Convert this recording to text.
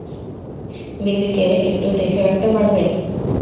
বিলিকে একটু দেখে রাখতে পারবে?